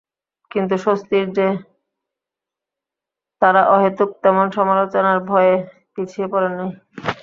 কিন্তু স্বস্তির যে, তাঁরা অহেতুক তেমন সমালোচনার ভয়ে পিছিয়ে পড়েন নাই।